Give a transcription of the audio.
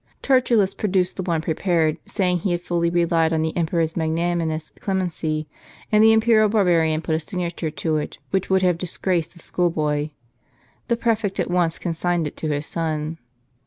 Tertullus produced the one prepared, saying he had fully relied on the emperor's magnanimous clemency; and the imperial barbarian put a signature to it which would have disgraced a schoolboy. The prefect at once consigned it to his son.